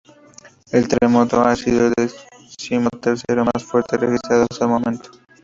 El terremoto ha sido el decimotercero más fuerte registrado hasta el momento.